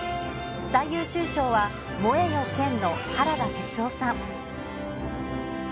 最優秀賞は、燃えよ剣の原田哲男さん。